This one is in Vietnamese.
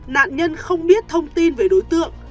nạn nhân không biết thông tin về đối tượng